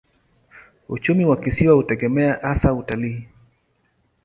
Uchumi wa kisiwa hutegemea hasa utalii.